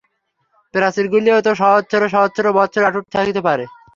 প্রাচীরগুলিও তো সহস্র সহস্র বৎসর অটুট থাকিতে পারে।